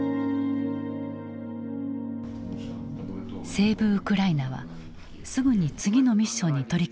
セーブ・ウクライナはすぐに次のミッションに取りかかった。